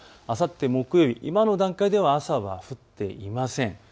あさって木曜日、今の段階では朝は降っていません。